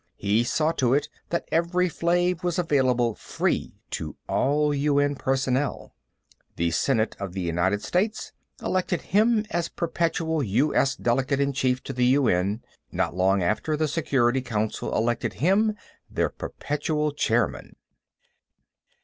He saw to it that Evri Flave was available free to all UN personnel. The Senate of the United States elected him as perpetual U. S. delegate in chief to the UN; not long after, the Security Council elected him their perpetual chairman.